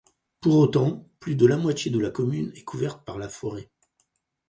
Pour autant, plus de la moitié de la commune est couverte par la forêt.